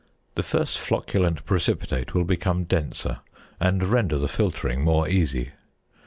The first flocculent precipitate will become denser, and render the filtering more easy.